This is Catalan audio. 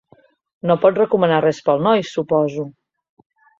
No pots recomanar res per al noi, suposo.